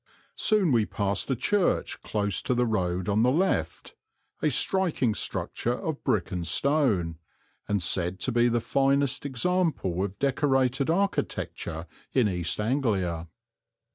Soon we passed a church close to the road on the left, a striking structure of brick and stone, and said to be the finest example of Decorated architecture in East Anglia.